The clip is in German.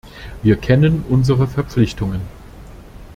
Wir kennen unsere Verpflichtungen.